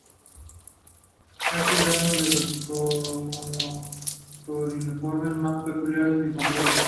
Ha sido unos de los crocodiliformes más peculiares encontrados.